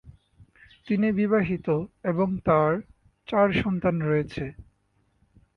তিনি বিবাহিত এবং তাঁর চার সন্তান রয়েছে।